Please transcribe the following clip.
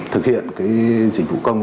thực hiện cái dịch vụ công